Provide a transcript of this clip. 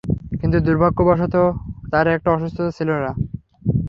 কিন্তু দুর্ভাগ্যবশত তার একটা অসুস্থতা ছিল।